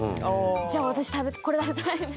じゃあ私これ食べたい！